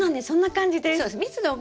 そんな感じです。